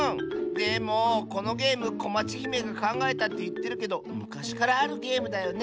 でもこのゲームこまちひめがかんがえたっていってるけどむかしからあるゲームだよね。